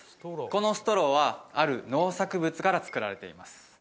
このストローはある農作物から作られています